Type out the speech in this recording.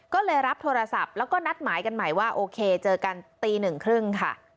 ก็เลยรับโทรศัพท์แล้วก็นัดหมายกันใหม่ว่าโอเคเจอกันตีหนึ่งครึ่งค่ะ